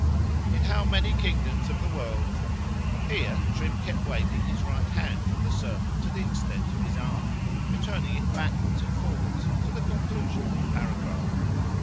"In how many kingdoms of the world"—[Here Trim kept waving his right hand from the sermon to the extent of his arm, returning it backwards and forwards to the conclusion of the paragraph.